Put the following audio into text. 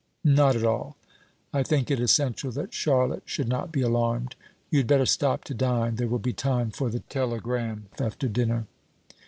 "Not at all. I think it essential that Charlotte should not be alarmed. You had better stop to dine; there will be time for the telegram after dinner."